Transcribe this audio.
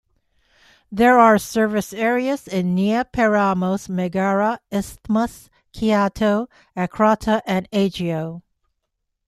There are service areas in Nea Peramos, Megara, Isthmus, Kiato, Akrata and Aigio.